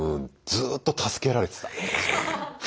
ずっと助けられてた。